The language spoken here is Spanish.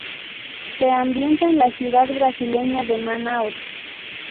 Se ambienta en la ciudad brasileña de Manaos.